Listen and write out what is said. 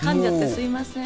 すみません。